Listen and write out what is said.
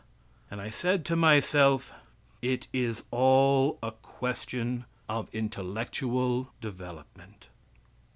And I said to myself, it is all a question of intellectual development.